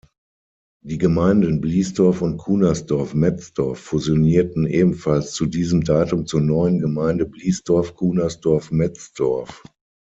Die Gemeinden Bliesdorf und Kunersdorf-Metzdorf fusionierten ebenfalls zu diesem Datum zur neuen Gemeinde Bliesdorf-Kunersdorf-Metzdorf.